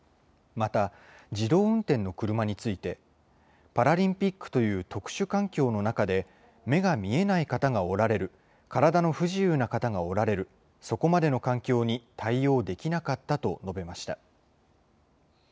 また、自動運転の車について、パラリンピックという特殊環境の中で、目が見えない方がおられる、体の不自由な方がおられる、そこまでの環境に対応できなかったと述べました。